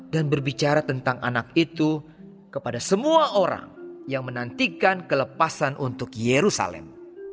dan berbicara tentang anak itu kepada semua orang yang menantikan kelepasan untuk yerusalem